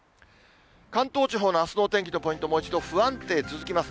関東地方のあすのお天気のポイント、もう一度不安定続きます。